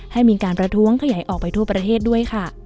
ให้มีการประท้วงขยายออกไปทั่วประเทศด้วยค่ะ